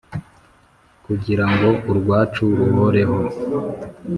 Kugira ngo urwacu ruhoreho